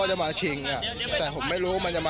สวัสดีครับ